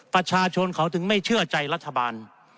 ประชาชนเขาถึงไม่เชื่อใจรัฐบาล